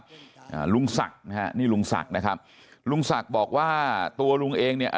อ่าลุงศักดิ์นะฮะนี่ลุงศักดิ์นะครับลุงศักดิ์บอกว่าตัวลุงเองเนี่ย